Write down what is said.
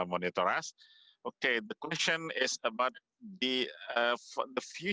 semoga ibu sekda masih mengawasi kami